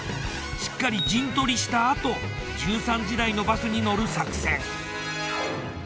しっかり陣取りしたあと１３時台のバスに乗る作戦。